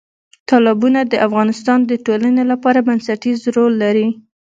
تالابونه د افغانستان د ټولنې لپاره بنسټیز رول لري.